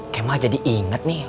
kayaknya mah jadi inget nih